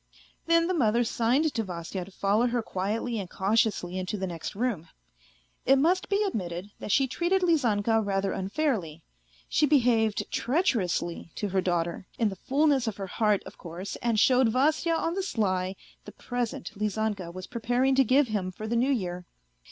Then the mother signed to Vasya to follow her quietly and cautiously into the next room. It must be admitted that she treated Lizanka rather unfairly : she behaved treacherously to her daughter, in the fullness of her heart, of course, and showed Vasya on the sly the present Lizanka was preparing to give him for the New Year.